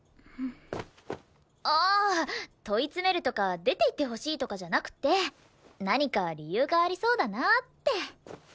ああ問い詰めるとか出ていってほしいとかじゃなくて何か理由がありそうだなって。